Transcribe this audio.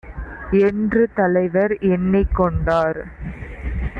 என்று தலைவர் எண்ணிக் கொண்டார்.